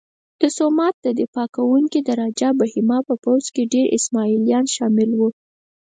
د سومنات دفاع کوونکي د راجه بهیما په پوځ کې ډېر اسماعیلیان شامل وو.